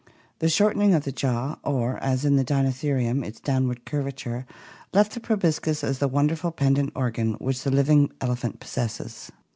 The shortening of the jaw, or, as in Dinotherium, its downward curva ture, left the proboscis as the wonderful pendent organ which the living elephant possesses.